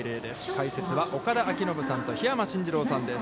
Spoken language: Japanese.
解説は岡田彰布さんと桧山進次郎さんです。